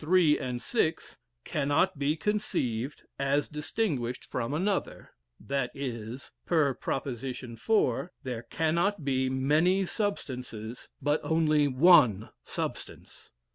three and six,) cannot be conceived as distinguished from another that is (per prop, four,) there cannot be many substances, but only one substance.